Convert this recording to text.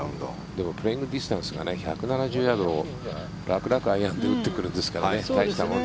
でもプレーイングディスタンス１５０ヤードぐらい楽々打ってくるんですからね。